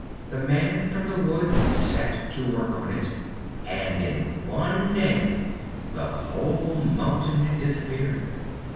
The man from the wood set to work on it, and in one day the whole mountain had disappeared.